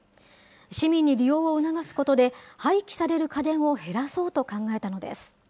市民に利用を促すことで、廃棄される家電を減らそうと考えたのです。